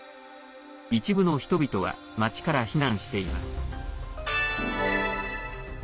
一部の人々は町から避難しています。